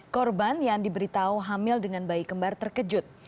korban yang diberitahu hamil dengan bayi kembar terkejut